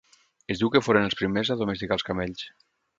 Es diu que foren els primers a domesticar els camells.